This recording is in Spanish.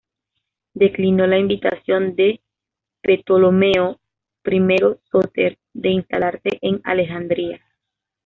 Declinó la invitación de Ptolomeo I Sóter de instalarse en Alejandría.